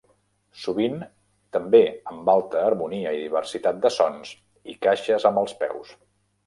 Sovint també amb alta harmonia i diversitat de sons, i caixes amb els peus.